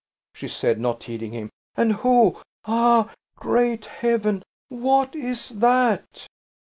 she said, not heeding him, "and who ah, great Heaven! What is that?"